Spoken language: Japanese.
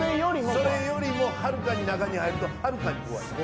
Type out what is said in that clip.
それよりもはるかに中に入るとはるかに怖い。